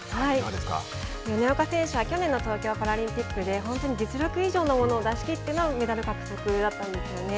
米岡選手は去年の東京パラリンピックで本当に実力以上のものを出し切ってのメダル獲得だったんですよね。